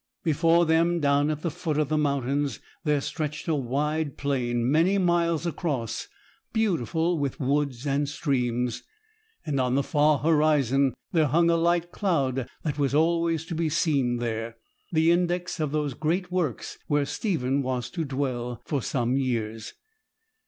Before them, down at the foot of the mountains, there stretched a wide plain many miles across, beautiful with woods and streams; and on the far horizon there hung a light cloud that was always to be seen there, the index of those great works where Stephen was to dwell for some years.